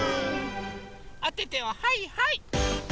おててをはいはい！